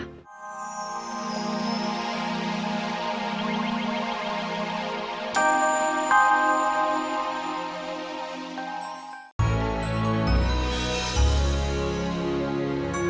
kalau masih commerce lagi